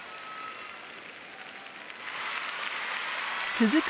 続く